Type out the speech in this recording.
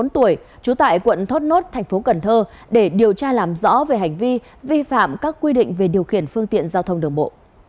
bốn mươi tám tuổi trú tại quận thốt nốt thành phố cần thơ để điều tra làm rõ về hành vi vi phạm các quy định về điều khiển phương tiện giao thông đường bộ